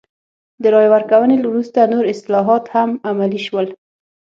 تر رایې ورکونې وروسته نور اصلاحات هم عملي شول.